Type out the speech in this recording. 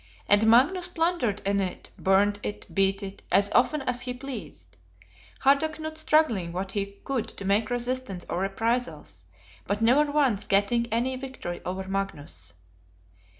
And Magnus plundered in it, burnt it, beat it, as often as he pleased; Harda Knut struggling what he could to make resistance or reprisals, but never once getting any victory over Magnus.